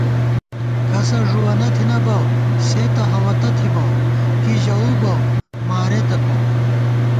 کسہ ݫُوَنہ تھنہ بہ سے تہ ہوَتہ تھِبہ کی ژَوؤ بہ مارېتہ تو